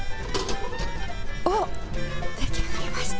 あっ、出来上がりました。